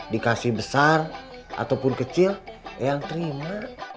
dikasih besar ataupun kecil yang terima